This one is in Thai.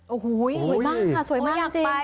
โอ้โฮสวยมากจริง